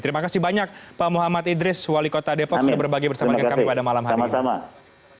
terima kasih banyak pak muhammad idris wali kota depok sudah berbagi bersama dengan kami pada malam hari ini